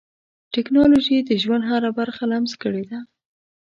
ټکنالوجي د ژوند هره برخه لمس کړې ده.